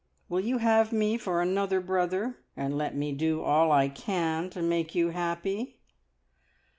Will you have me for another brother, and let me do all I can to make you happy?"